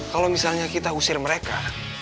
kalau misalnya kita usir mereka